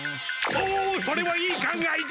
おそれはいい考えだ！